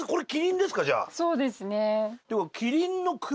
そうですね。